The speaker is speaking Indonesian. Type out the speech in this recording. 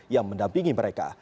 yang mendampingi mereka